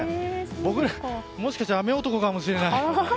僕、もしかしたら雨男かもしれない。